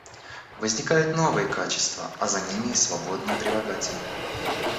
Возникают новые качества, а за ними и свободные прилагательные.